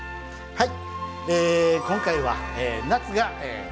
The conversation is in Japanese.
はい。